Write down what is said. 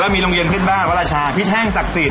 แล้วมีโรงเรียนขึ้นบ้านว่าพี่แท่งศักดิ์สิต